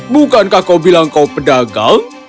bukankah kau bilang kau pedagang